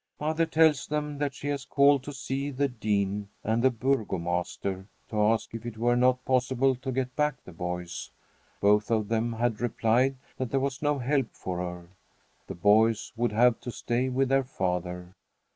Mother tells them that she has called to see the dean and the burgomaster to ask if it were not possible to get back the boys. Both of them had replied that there was no help for her. The boys would have to stay with their father.